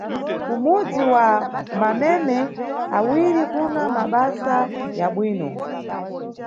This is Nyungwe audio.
Kumudzi wa Mameme awiri kuna mabasa ya bwino.